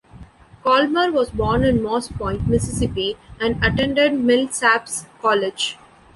Colmer was born in Moss Point, Mississippi, and attended Millsaps College.